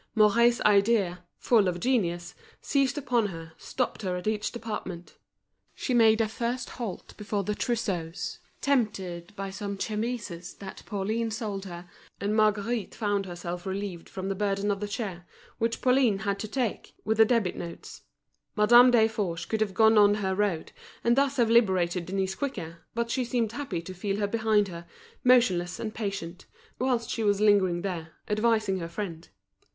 Mouret's idea, full of genius, seized upon her, stopping her at each department. She made a first halt before the trousseaux, tempted by some chemises that Pauline sold her; and Marguerite found herself relieved from the burden of the chair, which Pauline had to take, with the debit notes. Madame Desforges could have gone on her road, and thus have liberated Denise quicker, but she seemed happy to feel her behind her, motionless and patient, whilst she was lingering there, advising her friend.